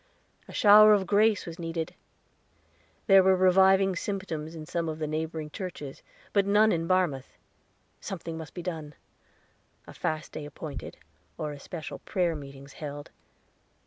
A shower of grace was needed; there were reviving symptoms in some of the neighboring churches, but none in Barmouth. Something must be done a fast day appointed, or especial prayer meetings held.